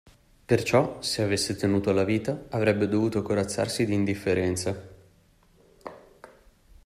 Perciò, se avesse tenuto alla vita, avrebbe dovuto corazzarsi d'indifferenza.